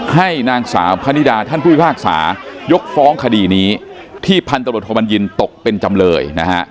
ให้นางสาวพนิดาท่านผู้พิพากษายกฟ้องคดีนี้ที่พันตรวจโทบัญญินตกเป็นจำเลยนะฮะ